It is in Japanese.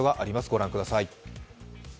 ご覧ください。